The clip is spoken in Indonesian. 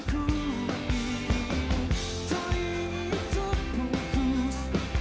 tak ingin terpukus